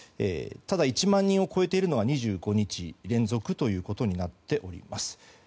ただ１万人を超えているのは２５日連続となっております。